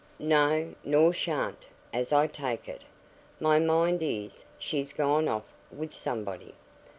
"No, nor shan't, as I take it. My mind is, she's gone off with somebody.